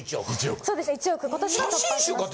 そうですね１億今年は突破しました。